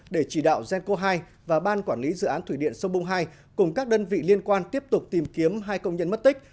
để chỉ đạo genco hai và ban quản lý dự án thủy điện sông bung hai cùng các đơn vị liên quan tiếp tục tìm kiếm hai công nhân mất tích